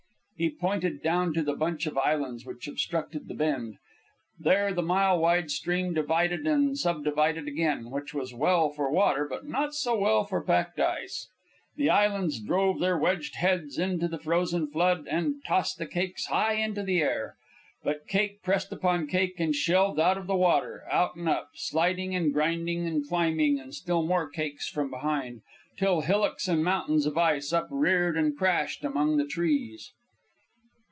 He pointed down to the bunch of islands which obstructed the bend. There the mile wide stream divided and subdivided again, which was well for water, but not so well for packed ice. The islands drove their wedged heads into the frozen flood and tossed the cakes high into the air. But cake pressed upon cake and shelved out of the water, out and up, sliding and grinding and climbing, and still more cakes from behind, till hillocks and mountains of ice upreared and crashed among the trees.